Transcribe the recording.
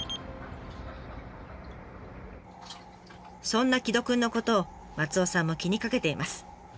そんな城戸くんのことを松尾さんも気にかけています。